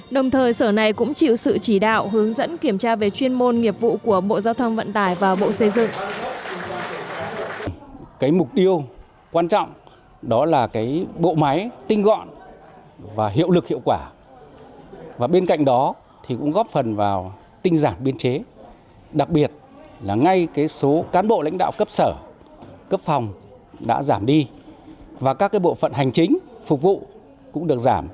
đồng thời sở này cũng chịu sự chỉ đạo hướng dẫn kiểm tra về chuyên môn nghiệp vụ của bộ giao thông vận tải và bộ xây dựng